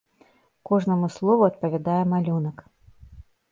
Кожнаму слову адпавядае малюнак.